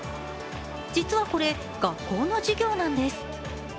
実はこれ、学校の授業なんです。